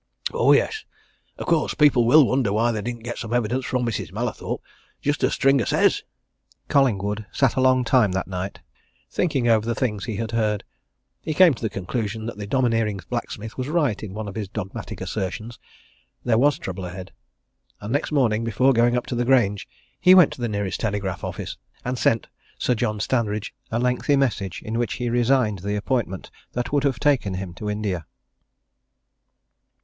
"Oh, yes! Of course, people will wonder why they didn't get some evidence from Mrs. Mallathorpe just as Stringer says." Collingwood sat a long time that night, thinking over the things he had heard. He came to the conclusion that the domineering blacksmith was right in one of his dogmatic assertions there was trouble ahead. And next morning, before going up to the Grange, he went to the nearest telegraph office, and sent Sir John Standridge a lengthy message in which he resigned the appointment that would have taken him to India.